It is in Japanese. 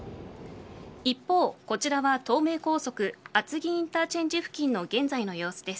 一方、こちらは東名高速厚木インターチェンジ付近の現在の様子です。